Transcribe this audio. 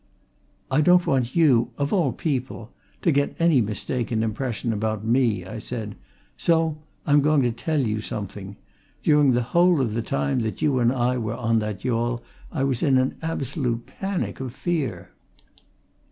"I don't want you of all people to get any mistaken impression about me," I said. "So, I'm going to tell you something. During the whole of the time you and I were on that yawl, I was in an absolute panic of fear!"